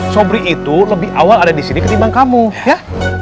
sobri itu lebih awal ada di sini ketimbang kamu ya